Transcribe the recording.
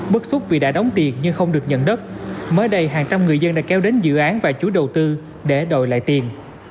bức xúc vì đã đóng tiền nhưng không được nhận đất mới đây hàng trăm người dân đã kéo đến dự án và chú đầu tư để đổi lại tiền